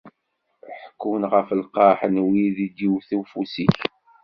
Ḥekkun ɣef lqerḥ n wid i d-iwt ufus-ik.